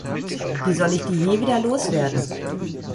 Wie soll ich die je wieder loswerden?